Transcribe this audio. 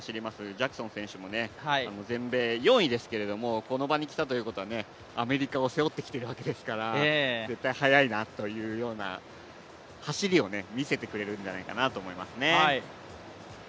ジャクソン選手も全米４位ですけどこの場に来たということは、アメリカを背負ってきているわけですから絶対速いなというような走りを見せてくれるんじゃないかなと思います。